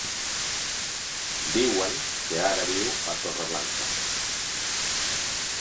Diuen que ara viu a Torreblanca.